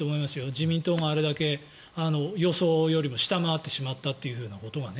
自民党もあれだけ予想よりも下回ってしまったということはね。